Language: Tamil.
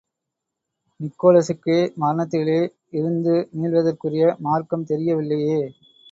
நிக்கோலசுக்கே மரணத்திலே இருந்து மீள்வதற்குரிய மார்க்கம் தெரியவில்லையே!